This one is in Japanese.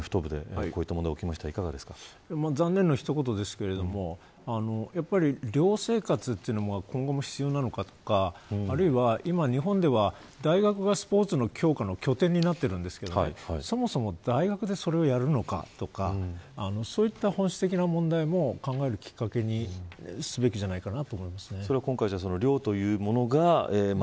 今回、あらためてスポーツの現場、問題があった日大のアメフト部でこういう問題が起きましたが残念の一言ですけれどもやっぱり寮生活というものは今後、必要なのかとかあるいは今、日本では大学がスポーツの強化の拠点になっているんですけどそもそも大学でそれをやるのかとかそういった本質的な問題を考えるきっかけにすべきじゃないかと思います。